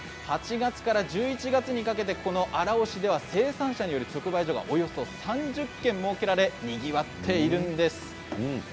８月から１１月にかけて荒尾市では生産者による直売所がおよそ３０軒設けられにぎわっているんです。